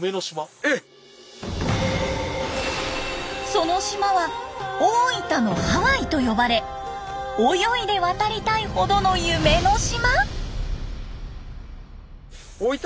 その島は大分のハワイと呼ばれ泳いで渡りたいほどの夢の島！？